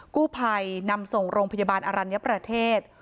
กู้ภัยนำส่งโรงพยาบาลอรัญญประเทศ